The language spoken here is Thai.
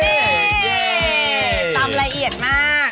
นี่ตำละเอียดมาก